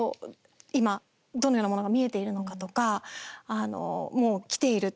今、どのようなものが見えているのか、とか「もう来ている」